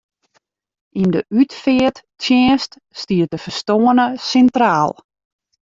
Yn de útfearttsjinst stiet de ferstoarne sintraal.